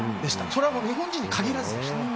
それは日本人に限らずでした。